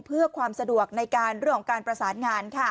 เพื่อความสะดวกในการเรื่องของการประสานงาน